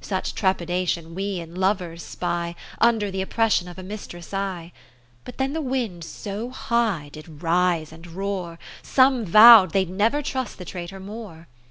Such trepidation we in lovers spy Under th' oppression of a mistress' eye. But then the wind so high did rise and roar, Some vow'd they'd never trust the traitor more.